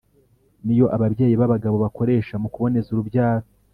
Ni yo ababyeyi b abagabo bakoresha mukuboneza urubyaro